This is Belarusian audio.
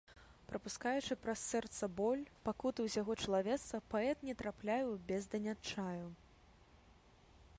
Прапускаючы праз сэрца боль, пакуты ўсяго чалавецтва, паэт не трапляе ў бездань адчаю.